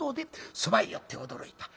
そばへ寄って驚いた。